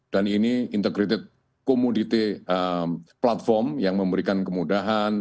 dan ini integrated commodity platform yang memberikan kemudahan